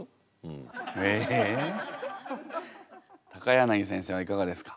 柳先生はいかがですか？